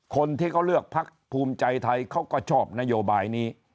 คนที่เขาเลือกพักภูมิใจไทยเขาก็ชอบนโยบายนี้